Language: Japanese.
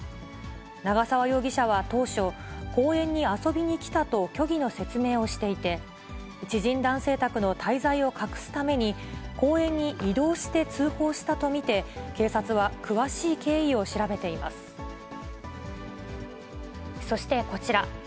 長沢容疑者は当初、公園に遊びに来たと虚偽の説明をしていて、知人男性宅の滞在を隠すために、公園に移動して通報したと見て、そしてこちら。